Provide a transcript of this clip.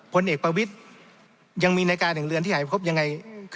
ผลเอกประวิทย์ยังมีนาฬิกาแห่งเรือนที่หายไปพบยังไง